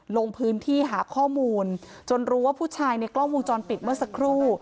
ลงพื้นที่หาข้อมูลจนรู้ว่าผู้ชายในกล้องวงจรปิดเมื่อสักครู่